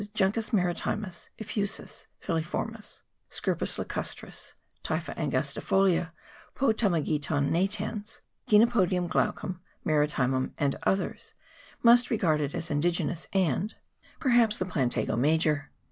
The Juncus maritimus, effusus, filiformis, Scirpus la custris, Typha angustifolia, Potamogeton natans, Chenopodium glaucum, maritimum, and others, must be regarded as indigenous, and, perhaps, the Plantago major.